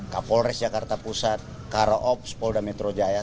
kapolres jakarta pusat karoops polda metro jaya